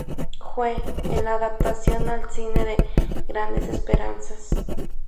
Joe en la adaptación al cine de "Grandes esperanzas".